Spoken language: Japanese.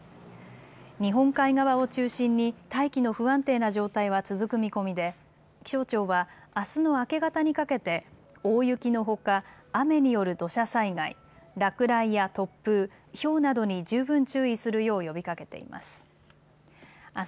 日本海側を中心に大気の不安定な状態は続く見込みで気象庁はあすの明け方にかけて大雪のほか雨による土砂災害、落雷や突風、ひょうなどに十分注意するよう呼びかけています。